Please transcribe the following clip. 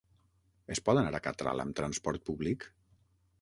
Es pot anar a Catral amb transport públic?